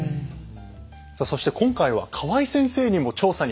さあそして今回は河合先生にも調査にご協力頂きました。